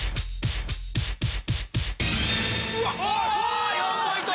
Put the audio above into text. あ４ポイント！